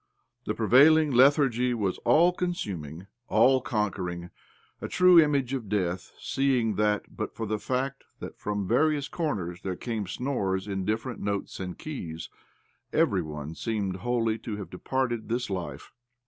The prevailing lethargy was all consuming, all conquering — a true image of death ; seeing that, but for the fact that from various corners there came snores in different notes and keys, every one seemed wholly to have departed this life.